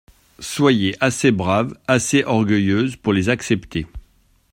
Soyez assez brave, assez orgueilleuse pour les accepter.